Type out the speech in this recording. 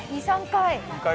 ２回３回。